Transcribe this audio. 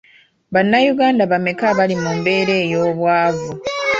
Bannayuganda bameka abali mu mbeera ey'obwavu.